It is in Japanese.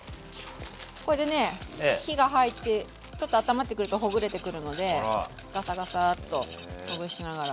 これでね火が入ってちょっとあったまってくるとほぐれてくるのでガサガサーッとほぐしながら。